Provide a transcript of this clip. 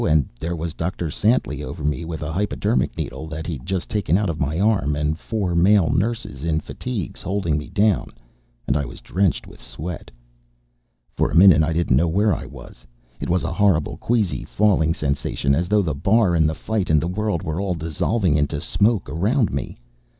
And there was Dr. Santly over me with a hypodermic needle that he'd just taken out of my arm, and four male nurses in fatigues holding me down. And I was drenched with sweat. For a minute, I didn't know where I was. It was a horrible queasy falling sensation, as though the bar and the fight and the world were all dissolving into smoke around me.